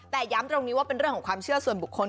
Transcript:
แต่ย้ำตรงนี้ว่าเป็นเรื่องของความเชื่อส่วนบุคคล